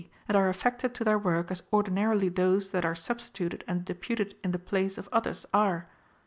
and are aifected to their work as ordinarily those that are substituted and deputed in the place of others are.